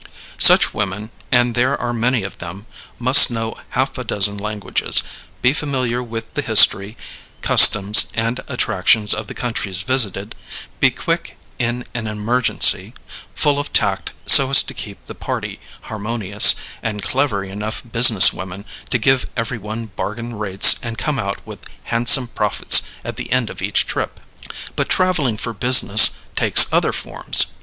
Such women and there are many of them must know half a dozen languages, be familiar with the history, customs, and attractions of the countries visited, be quick in an emergency, full of tact so as to keep the party harmonious, and clever enough business women to give every one bargain rates and come out with handsome profits at the end of each trip. But traveling for business takes other forms.